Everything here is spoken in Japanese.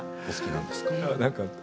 お好きなんですか？